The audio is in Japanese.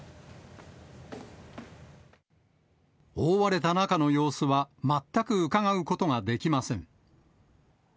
覆われた中の様子は全くうかがうことができません。